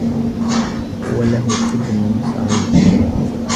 هو له ابن صغير.